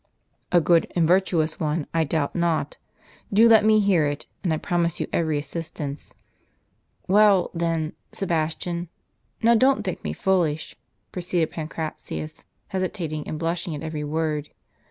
" A good and virtuous one, I doubt not ; do let me hear it ; and I promise you every assistance." "Well, then, Sebastian — now don't think me foolish," proceeded Pancratius, hesitating and blushing at every word.